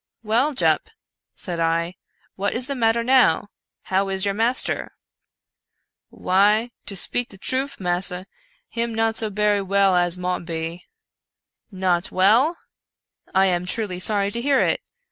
" Well, Jup," said I, " what is the matter now ?— how is your master ?"" Why, to speak the troof, massa, him not so berry well as mought be." " Not well ! I am truly sorry to hear it.